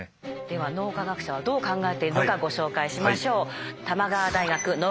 では脳科学者はどう考えているのかご紹介しましょう。